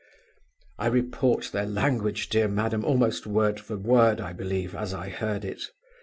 "I report their language, dear madam, almost word for word, I believe, as I heard it.